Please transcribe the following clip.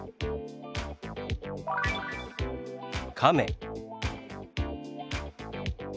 「亀」。